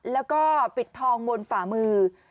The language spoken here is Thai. แล้วก็ปิดทองบนฝ่ามือ